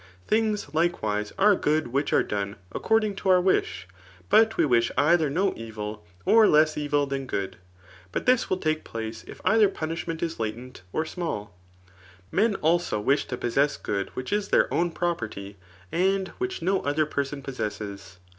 Thmgs, likewise, are good which are done according to our wish j but we wkdi^her no evil, or less evil than good. But this mil take phee, if either punishment is latent, or smalL Men also, wish to possess gobd which Is then own pit)pe«y. .CHAT. VI. RBSTOOIG. 87 and which no other person possesses.